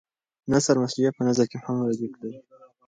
نثر مسجع په نظم کې هم ردیف لري.